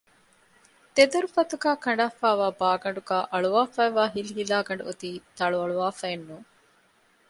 ދެ ދޮރުފަތުގައި ކަނޑާފައިވާ ބާގަނޑުގައި އަޅުވަފައިވާ ހިލިހިލާގަނޑު އޮތީ ތަޅުއަޅުވާފައެއް ނޫން